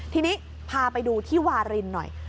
ทีนี้พาไปดูที่วารินหน่อย